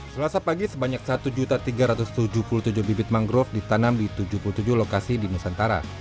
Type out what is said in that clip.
selasa pagi sebanyak satu tiga ratus tujuh puluh tujuh bibit mangrove ditanam di tujuh puluh tujuh lokasi di nusantara